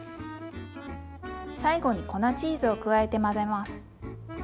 最後に粉チーズを加えて混ぜます。